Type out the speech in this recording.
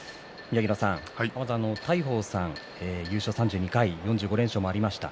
大鵬さん、優勝３２回４５連勝もありました。